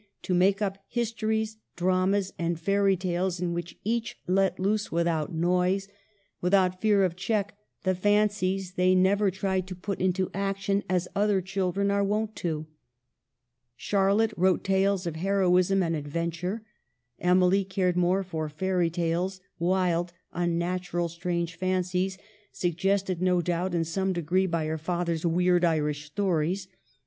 to make up histories, dramas, and fairy tales, in which each let loose, without noise, without fear of check, the fancies they never tried to put into action as other children are wont to. Charlotte wrote tales of heroism and adventure. Emily cared more for fairy tales, wild, unnatural, strange fancies, suggested no doubt in some degree by her father's weird Irish stories.